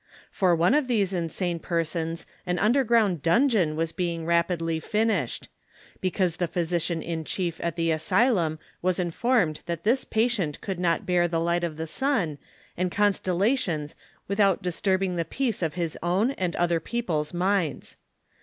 For one of these insane persons an underground dungeon was being rapidly finished ; because the physician in chief at the asylum was informed that this patient could not THE COXSPIKATOES AXD LOVEKS. 71 bear the light of the sun and constellations without dis turbing the peace of his own and other people's minds.